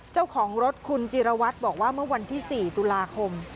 เจ้าของรถคุณจิรวัตรบอกว่าเมื่อวันที่๔ตุลาคม